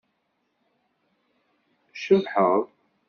Tcebḥeḍ.